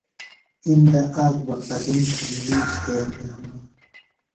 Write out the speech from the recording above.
اِندہ آک بہ قدِم تھنیۡ مِیش تیر بھےۡ ہِنوۡ